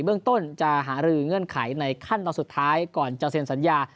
เรื่องต้นจะหารือเงื่อนไขในขั้นตอนสุดท้ายก่อนจะเซ็นสัญญา